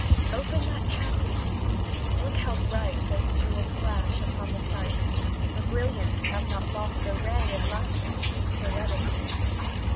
Open that casket look how bright Those jewels flash upon the sight; The brilliants have not lost a ray Of lustre, since her wedding day.